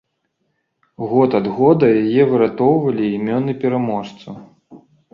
Год ад года яе выратоўвалі імёны пераможцаў.